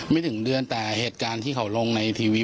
ไม่ถึงเดือนแต่เหตุการณ์ที่เขาลงในทีวี